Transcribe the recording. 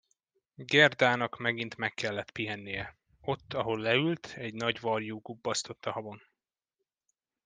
Gerdának megint meg kellett pihennie; ott, ahol leült, egy nagy varjú gubbasztott a havon.